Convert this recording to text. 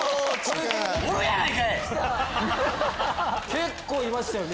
結構いましたよね。